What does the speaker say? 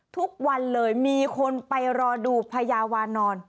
ทุกวันเลยมีคนไปรอดูพญาวานอน